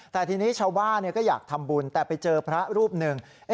แต่ทีนี้ชาวบ้านก็อยากทำบุญแต่ไปเจอพระรูปหนึ่ง